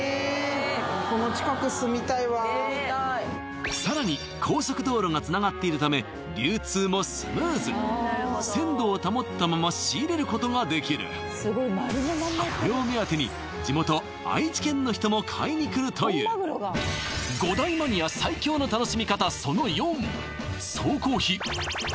この近く住みたいわ・住みたいさらに高速道路がつながっているため流通もスムーズ鮮度を保ったまま仕入れることができるこれを目当てに地元愛知県の人も買いに来るという５大マニアこちらです